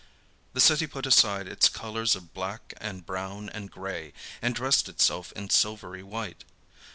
The city put aside its colors of black and brown and gray, and dressed itself in silvery white.